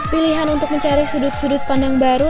pilihan untuk mencari sudut sudut pandang baru